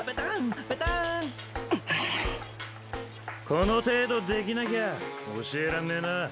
この程度できなきゃ教えらんねえなぁ。